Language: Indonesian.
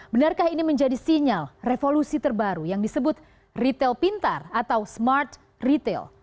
benarkah ini menjadi sinyal revolusi terbaru yang disebut retail pintar atau smart retail